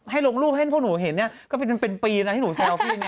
ให้ลงรูปให้พวกหนูเห็นเนี่ยก็เป็นปีนะที่หนูแซวพี่